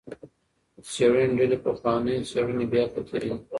د څیړنې ډلې پخوانۍ څیړنې بیا کتلي دي.